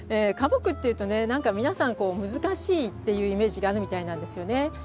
花木っていうとね何か皆さんこう難しいっていうイメージがあるみたいなんですよね。